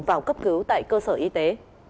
vào cấp cứu tại cơ sở y tế